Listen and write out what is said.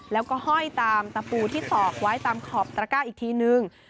แล้วก็ห้อยตามตะปูที่ตอกไว้ตามขอบตระก้าอีกทีนึง